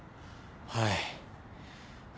はい。